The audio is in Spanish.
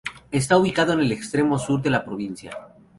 Está ubicado en el extremo sur de la provincia.